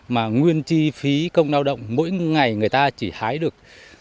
mà nguyên chi phí công lao động mỗi ngày người ta chỉ hái được